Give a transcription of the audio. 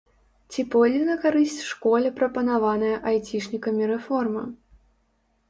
Ці пойдзе на карысць школе прапанаваная айцішнікамі рэформа?